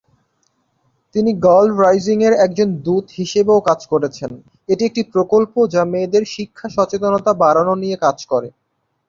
তিনি গার্ল রাইজিং-এর একজন দূত হিসেবেও কাজ করেছেন, এটি একটি প্রকল্প যা মেয়েদের শিক্ষা সচেতনতা বাড়ানো নিয়ে কাজ করে।